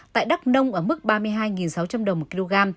tại đắk nông ở mức ba mươi hai sáu trăm linh đồng một kg